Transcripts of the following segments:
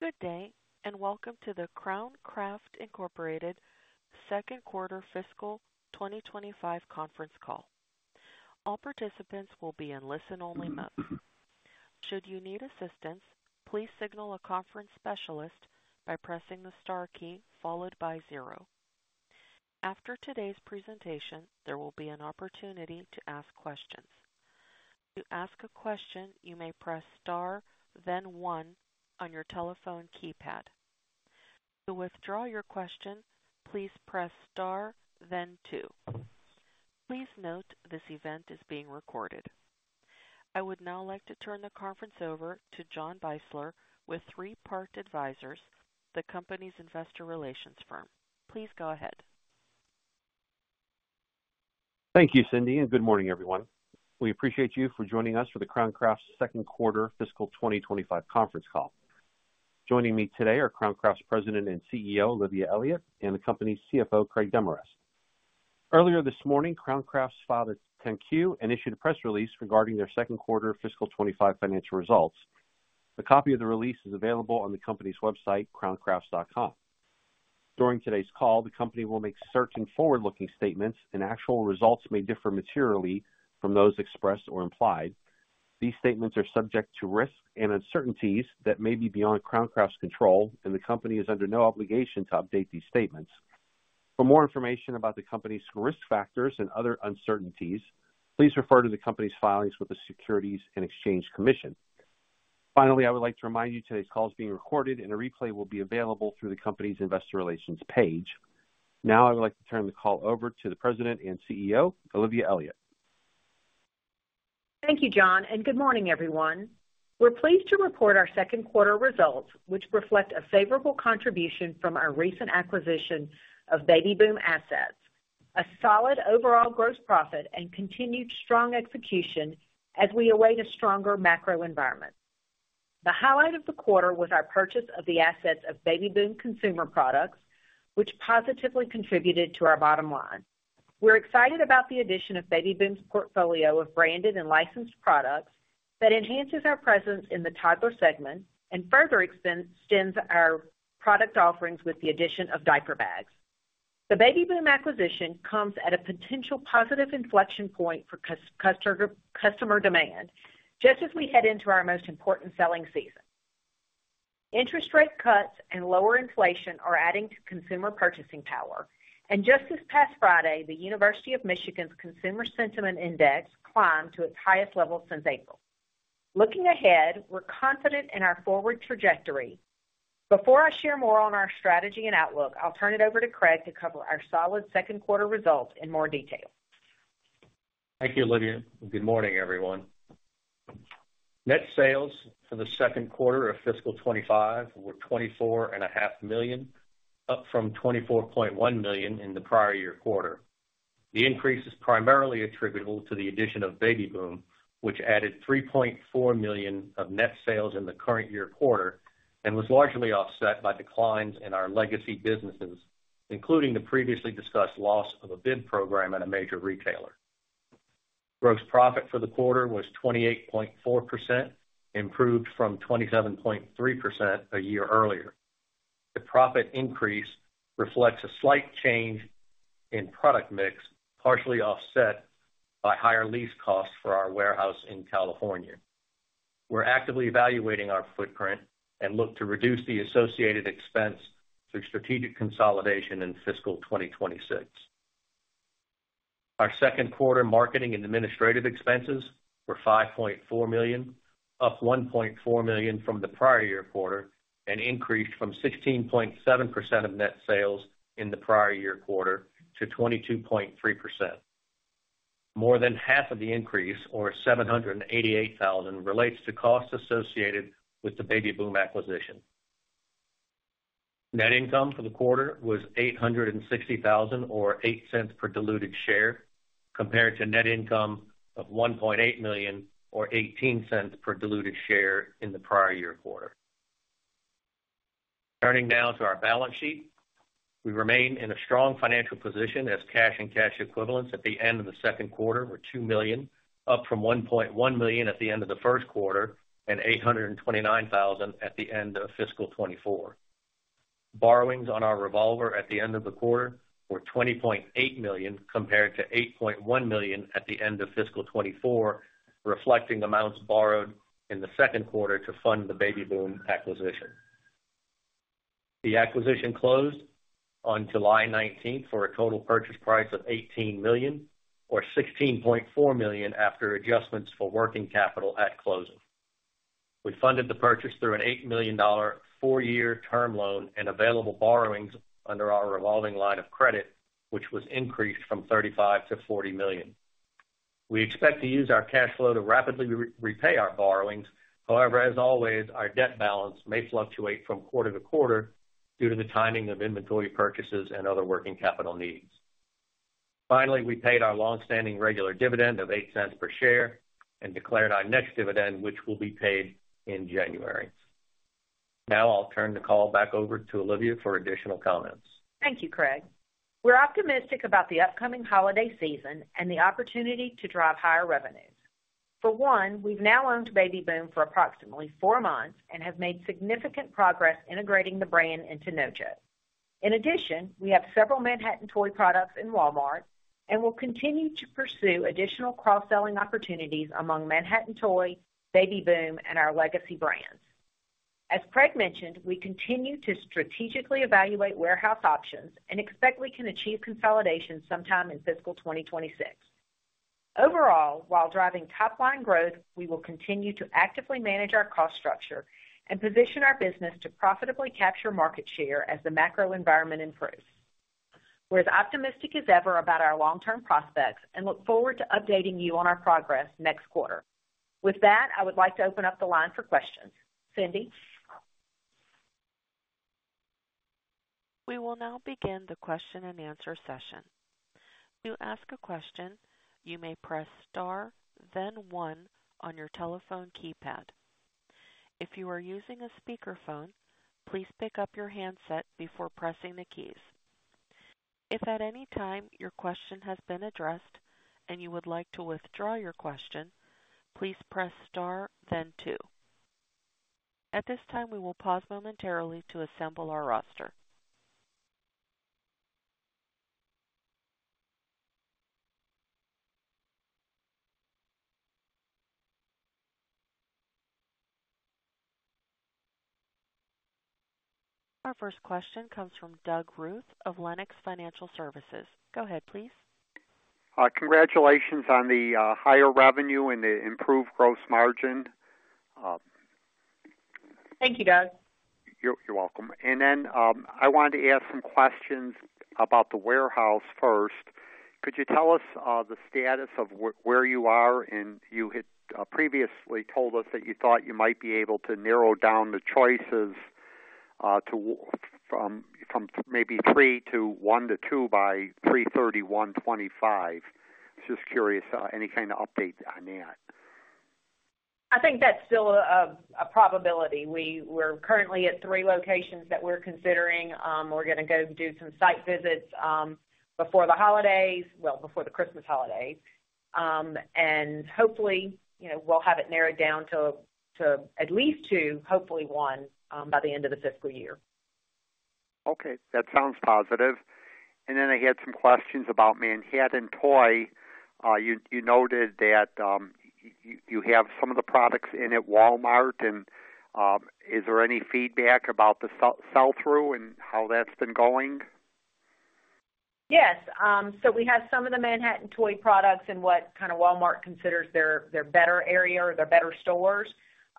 Good day, and welcome to the Crown Crafts Incorporated second quarter fiscal 2025 conference call. All participants will be in listen-only mode. Should you need assistance, please signal a conference specialist by pressing the star key followed by zero. After today's presentation, there will be an opportunity to ask questions. To ask a question, you may press star, then one on your telephone keypad. To withdraw your question, please press star, then two. Please note this event is being recorded. I would now like to turn the conference over to John Beisler with Three Part Advisors, the company's investor relations firm. Please go ahead. Thank you, Cindy, and good morning, everyone. We appreciate you for joining us for the Crown Crafts second quarter fiscal 2025 conference call. Joining me today are Crown Crafts President and CEO Olivia Elliott and the company's CFO Craig Demarest. Earlier this morning, Crown Crafts filed a 10-Q and issued a press release regarding their second quarter fiscal 2025 financial results. A copy of the release is available on the company's website, crowncrafts.com. During today's call, the company will make certain forward-looking statements, and actual results may differ materially from those expressed or implied. These statements are subject to risks and uncertainties that may be beyond Crown Crafts' control, and the company is under no obligation to update these statements. For more information about the company's risk factors and other uncertainties, please refer to the company's filings with the Securities and Exchange Commission. Finally, I would like to remind you today's call is being recorded, and a replay will be available through the company's investor relations page. Now, I would like to turn the call over to the President and CEO, Olivia Elliott. Thank you, John, and good morning, everyone. We're pleased to report our second quarter results, which reflect a favorable contribution from our recent acquisition of Baby Boom Consumer Products, a solid overall gross profit, and continued strong execution as we await a stronger macro environment. The highlight of the quarter was our purchase of the assets of Baby Boom Consumer Products, which positively contributed to our bottom line. We're excited about the addition of Baby Boom's portfolio of branded and licensed products that enhances our presence in the toddler segment and further extends our product offerings with the addition of diaper bags. The Baby Boom acquisition comes at a potential positive inflection point for customer demand, just as we head into our most important selling season. Interest rate cuts and lower inflation are adding to consumer purchasing power, and just this past Friday, the University of Michigan's Consumer Sentiment Index climbed to its highest level since April. Looking ahead, we're confident in our forward trajectory. Before I share more on our strategy and outlook, I'll turn it over to Craig to cover our solid second quarter results in more detail. Thank you, Olivia. Good morning, everyone. Net sales for the second quarter of Fiscal 2025 were $24.5 million, up from $24.1 million in the prior year quarter. The increase is primarily attributable to the addition of Baby Boom, which added $3.4 million of net sales in the current year quarter and was largely offset by declines in our legacy businesses, including the previously discussed loss of a bid program at a major retailer. Gross profit for the quarter was 28.4%, improved from 27.3% a year earlier. The profit increase reflects a slight change in product mix, partially offset by higher lease costs for our warehouse in California. We're actively evaluating our footprint and look to reduce the associated expense through strategic consolidation in Fiscal 2026. Our second quarter marketing and administrative expenses were $5.4 million, up $1.4 million from the prior year quarter, and increased from 16.7% of net sales in the prior year quarter to 22.3%. More than half of the increase, or $788,000, relates to costs associated with the Baby Boom acquisition. Net income for the quarter was $860,000, or $0.08 per diluted share, compared to net income of $1.8 million, or $0.18 per diluted share in the prior year quarter. Turning now to our balance sheet, we remain in a strong financial position as cash and cash equivalents at the end of the second quarter were $2 million, up from $1.1 million at the end of the first quarter and $829,000 at the end of fiscal 2024. Borrowings on our revolver at the end of the quarter were $20.8 million, compared to $8.1 million at the end of fiscal 2024, reflecting amounts borrowed in the second quarter to fund the Baby Boom acquisition. The acquisition closed on July 19th for a total purchase price of $18 million, or $16.4 million after adjustments for working capital at closing. We funded the purchase through an $8 million four-year term loan and available borrowings under our revolving line of credit, which was increased from $35 million to $40 million. We expect to use our cash flow to rapidly repay our borrowings. However, as always, our debt balance may fluctuate from quarter to quarter due to the timing of inventory purchases and other working capital needs. Finally, we paid our long-standing regular dividend of $0.08 per share and declared our next dividend, which will be paid in January. Now I'll turn the call back over to Olivia for additional comments. Thank you, Craig. We're optimistic about the upcoming holiday season and the opportunity to drive higher revenues. For one, we've now owned Baby Boom for approximately four months and have made significant progress integrating the brand into NoJo. In addition, we have several Manhattan Toy products in Walmart and will continue to pursue additional cross-selling opportunities among Manhattan Toy, Baby Boom, and our legacy brands. As Craig mentioned, we continue to strategically evaluate warehouse options and expect we can achieve consolidation sometime in fiscal 2026. Overall, while driving top-line growth, we will continue to actively manage our cost structure and position our business to profitably capture market share as the macro environment improves. We're as optimistic as ever about our long-term prospects and look forward to updating you on our progress next quarter. With that, I would like to open up the line for questions. Cindy? We will now begin the question-and-answer session. To ask a question, you may press star, then one on your telephone keypad. If you are using a speakerphone, please pick up your handset before pressing the keys. If at any time your question has been addressed and you would like to withdraw your question, please press star, then two. At this time, we will pause momentarily to assemble our roster. Our first question comes from Doug Ruth of Lenox Financial Services. Go ahead, please. Congratulations on the higher revenue and the improved gross margin. Thank you, Doug. You're welcome. And then I wanted to ask some questions about the warehouse first. Could you tell us the status of where you are? And you had previously told us that you thought you might be able to narrow down the choices from maybe three to one to two by 3/31/2025. Just curious, any kind of update on that? I think that's still a probability. We're currently at three locations that we're considering. We're going to go do some site visits before the holidays, well, before the Christmas holidays, and hopefully, we'll have it narrowed down to at least two, hopefully one, by the end of the fiscal year. Okay. That sounds positive. And then I had some questions about Manhattan Toy. You noted that you have some of the products in at Walmart. And is there any feedback about the sell-through and how that's been going? Yes, so we have some of the Manhattan Toy products in what kind of Walmart considers their better area or their better stores,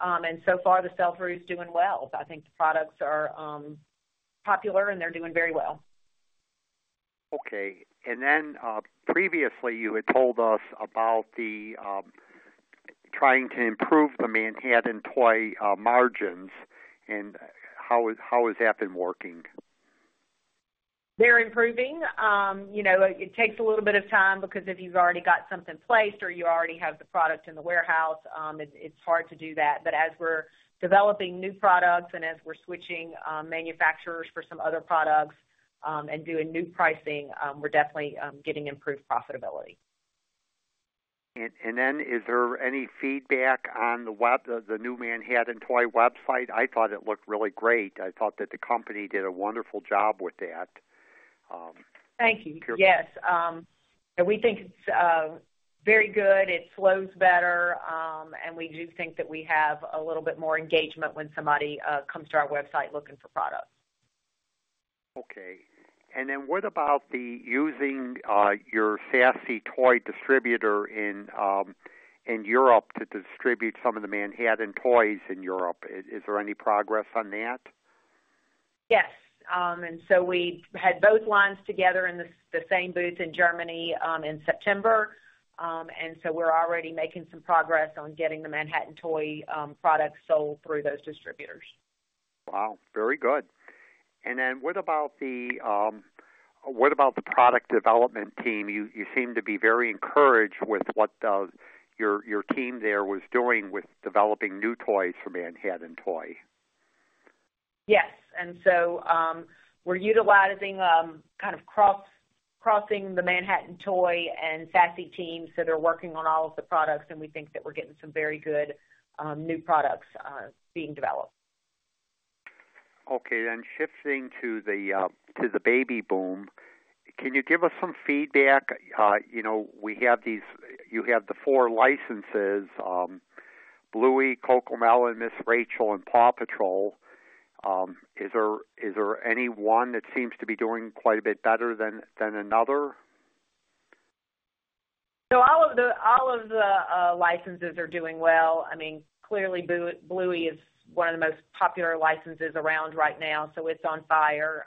and so far, the sell-through is doing well. I think the products are popular, and they're doing very well. Okay, and then previously, you had told us about trying to improve the Manhattan Toy margins and how has that been working? They're improving. It takes a little bit of time because if you've already got something placed or you already have the product in the warehouse, it's hard to do that. But as we're developing new products and as we're switching manufacturers for some other products and doing new pricing, we're definitely getting improved profitability. And then is there any feedback on the new Manhattan Toy website? I thought it looked really great. I thought that the company did a wonderful job with that. Thank you. Yes. We think it's very good. It flows better, and we do think that we have a little bit more engagement when somebody comes to our website looking for products. Okay. And then what about using your Sassy Toy distributor in Europe to distribute some of the Manhattan Toy in Europe? Is there any progress on that? Yes. And so we had both lines together in the same booth in Germany in September. And so we're already making some progress on getting the Manhattan Toy products sold through those distributors. Wow. Very good. And then what about the product development team? You seem to be very encouraged with what your team there was doing with developing new toys for Manhattan Toy. Yes, and so we're utilizing kind of crossing the Manhattan Toy and Sassy teams, so they're working on all of the products, and we think that we're getting some very good new products being developed. Okay. Then shifting to the Baby Boom, can you give us some feedback? You have the four licenses: Bluey, CoComelon, Ms. Rachel, and Paw Patrol. Is there any one that seems to be doing quite a bit better than another? So all of the licenses are doing well. I mean, clearly, Bluey is one of the most popular licenses around right now, so it's on fire.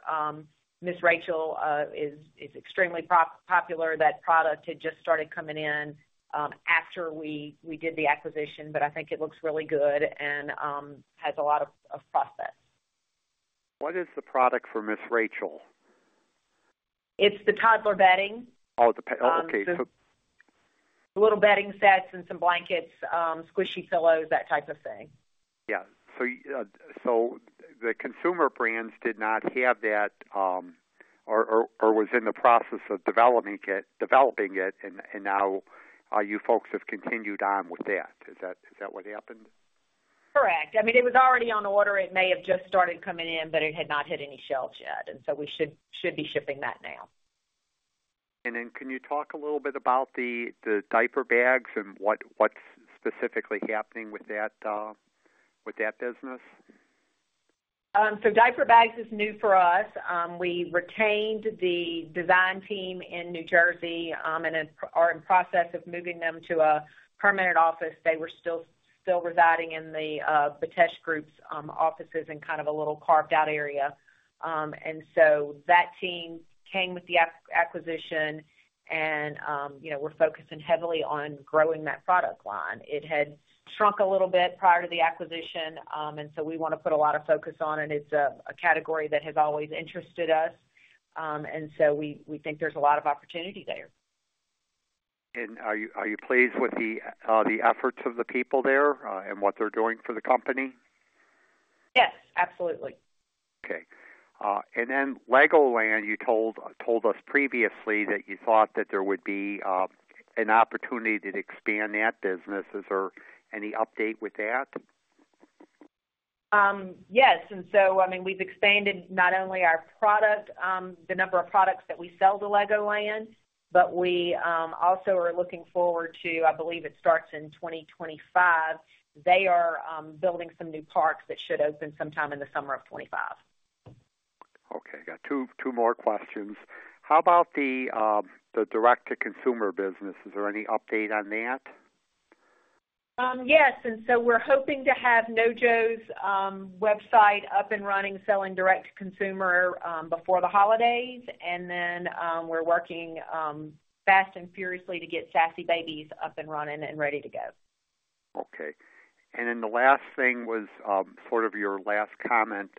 Ms. Rachel is extremely popular. That product had just started coming in after we did the acquisition, but I think it looks really good and has a lot of prospects. What is the product for Ms. Rachel? It's the toddler bedding. Oh, okay. Little bedding sets and some blankets, squishy pillows, that type of thing. Yeah. So the consumer brands did not have that or was in the process of developing it, and now you folks have continued on with that. Is that what happened? Correct. I mean, it was already on order. It may have just started coming in, but it had not hit any shelves yet. And so we should be shipping that now. And then can you talk a little bit about the diaper bags and what's specifically happening with that business? So diaper bags is new for us. We retained the design team in New Jersey and are in process of moving them to a permanent office. They were still residing in the Betesh Group's offices in kind of a little carved-out area. And so that team came with the acquisition, and we're focusing heavily on growing that product line. It had shrunk a little bit prior to the acquisition, and so we want to put a lot of focus on it. It's a category that has always interested us, and so we think there's a lot of opportunity there. Are you pleased with the efforts of the people there and what they're doing for the company? Yes. Absolutely. Okay. And then Legoland, you told us previously that you thought that there would be an opportunity to expand that business. Is there any update with that? Yes. And so, I mean, we've expanded not only the number of products that we sell to Legoland, but we also are looking forward to, I believe, it starts in 2025. They are building some new parks that should open sometime in the summer of 2025. Okay. I got two more questions. How about the direct-to-consumer business? Is there any update on that? Yes, and so we're hoping to have NoJo's website up and running, selling direct-to-consumer before the holidays, and then we're working fast and furiously to get Sassy Baby up and running and ready to go. Okay, and then the last thing was sort of your last comment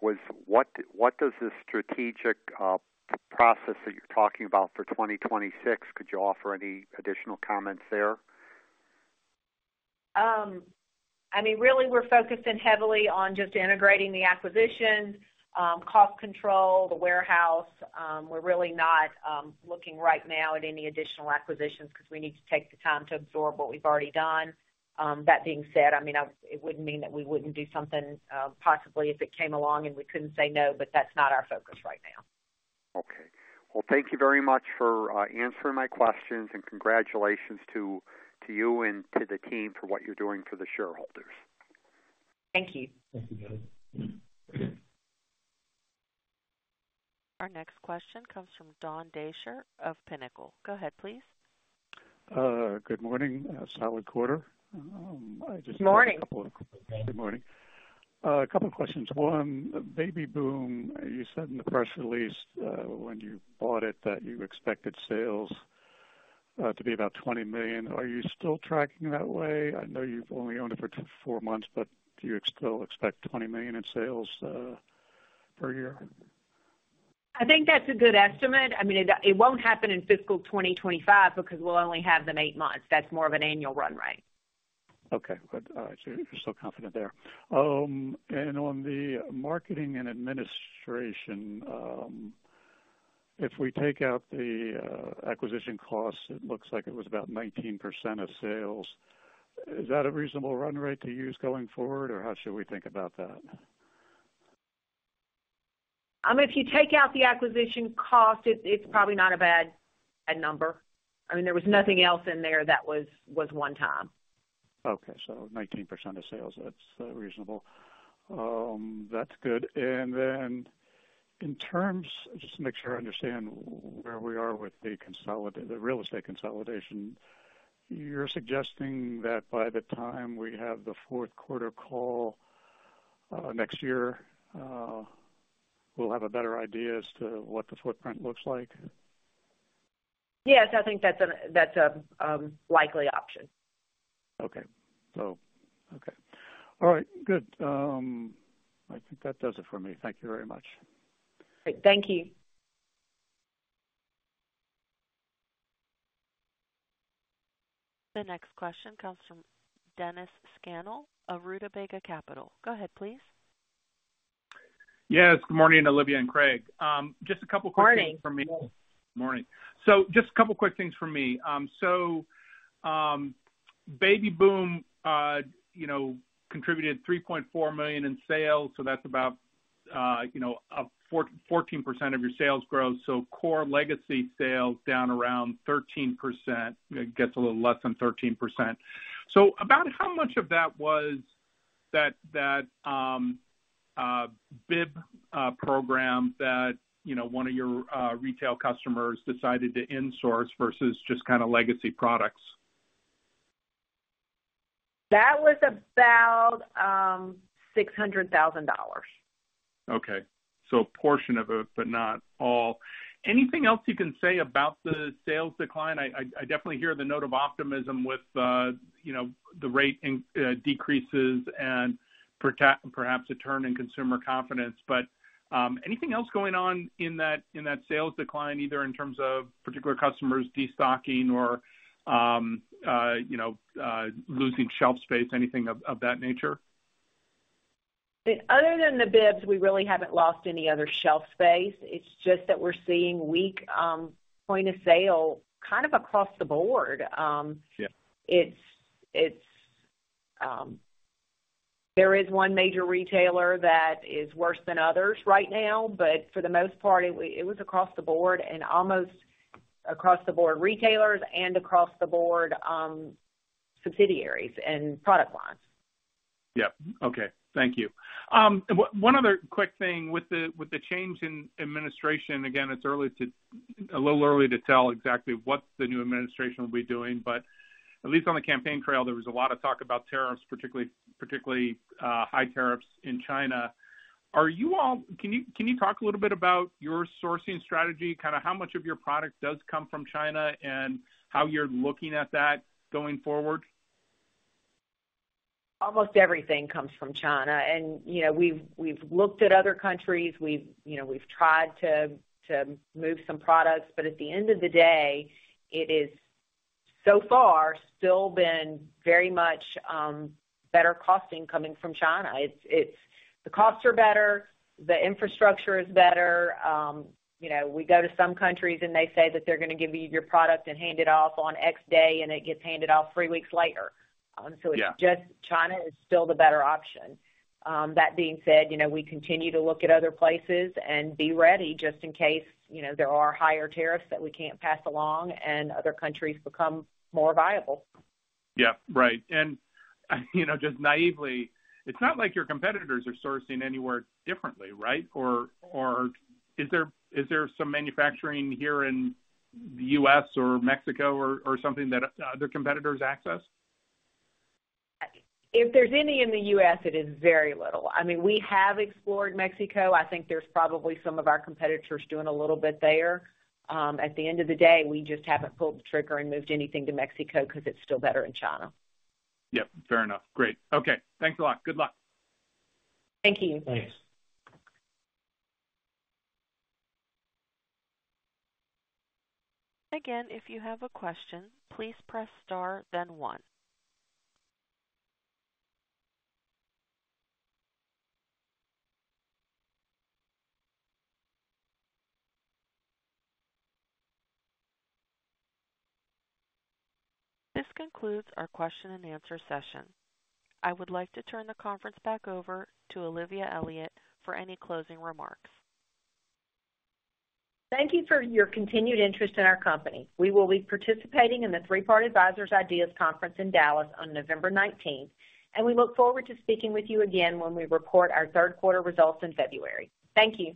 was, what does the strategic process that you're talking about for 2026? Could you offer any additional comments there? I mean, really, we're focusing heavily on just integrating the acquisition, cost control, the warehouse. We're really not looking right now at any additional acquisitions because we need to take the time to absorb what we've already done. That being said, I mean, it wouldn't mean that we wouldn't do something possibly if it came along and we couldn't say no, but that's not our focus right now. Okay. Well, thank you very much for answering my questions, and congratulations to you and to the team for what you're doing for the shareholders. Thank you. Our next question comes from Don Dasher of Pinnacle. Go ahead, please. Good morning. Solid quarter. I just have a couple of. Good morning. Good morning. A couple of questions. One, Baby Boom, you said in the press release when you bought it that you expected sales to be about $20 million. Are you still tracking that way? I know you've only owned it for four months, but do you still expect $20 million in sales per year? I think that's a good estimate. I mean, it won't happen in fiscal 2025 because we'll only have them eight months. That's more of an annual run rate. Okay. You're so confident there, and on the marketing and administration, if we take out the acquisition costs, it looks like it was about 19% of sales. Is that a reasonable run rate to use going forward, or how should we think about that? If you take out the acquisition cost, it's probably not a bad number. I mean, there was nothing else in there that was one time. Okay. So 19% of sales. That's reasonable. That's good. And then in terms—just to make sure I understand where we are with the real estate consolidation—you're suggesting that by the time we have the fourth quarter call next year, we'll have a better idea as to what the footprint looks like? Yes. I think that's a likely option. Okay. Okay. All right. Good. I think that does it for me. Thank you very much. Great. Thank you. The next question comes from Dennis Scannell of Rutabaga Capital. Go ahead, please. Yes. Good morning, Olivia and Craig. Just a couple of quick things for me. Morning. Morning. So just a couple of quick things for me. So Baby Boom contributed $3.4 million in sales, so that's about 14% of your sales growth. So core legacy sales down around 13%. It gets a little less than 13%. So about how much of that was that bib program that one of your retail customers decided to insource versus just kind of legacy products? That was about $600,000. Okay. So a portion of it, but not all. Anything else you can say about the sales decline? I definitely hear the note of optimism with the rate decreases and perhaps a turn in consumer confidence. But anything else going on in that sales decline, either in terms of particular customers destocking or losing shelf space, anything of that nature? Other than the bibs, we really haven't lost any other shelf space. It's just that we're seeing weak point of sale kind of across the board. There is one major retailer that is worse than others right now, but for the most part, it was across the board and almost across the board retailers and across the board subsidiaries and product lines. Yep. Okay. Thank you. One other quick thing. With the change in administration, again, it's a little early to tell exactly what the new administration will be doing, but at least on the campaign trail, there was a lot of talk about tariffs, particularly high tariffs in China. Can you talk a little bit about your sourcing strategy, kind of how much of your product does come from China and how you're looking at that going forward? Almost everything comes from China. And we've looked at other countries. We've tried to move some products. But at the end of the day, it has so far still been very much better costing coming from China. The costs are better. The infrastructure is better. We go to some countries, and they say that they're going to give you your product and hand it off on X day, and it gets handed off three weeks later. So it's just China is still the better option. That being said, we continue to look at other places and be ready just in case there are higher tariffs that we can't pass along and other countries become more viable. Yeah. Right. And just naively, it's not like your competitors are sourcing anywhere differently, right? Or is there some manufacturing here in the U.S. or Mexico or something that other competitors access? If there's any in the U.S., it is very little. I mean, we have explored Mexico. I think there's probably some of our competitors doing a little bit there. At the end of the day, we just haven't pulled the trigger and moved anything to Mexico because it's still better in China. Yep. Fair enough. Great. Okay. Thanks a lot. Good luck. Thank you. Thanks. Again, if you have a question, please press star, then one. This concludes our question-and-answer session. I would like to turn the conference back over to Olivia Elliott for any closing remarks. Thank you for your continued interest in our company. We will be participating in the Three Part Advisors' Ideas Conference in Dallas on November 19th, and we look forward to speaking with you again when we report our third quarter results in February. Thank you.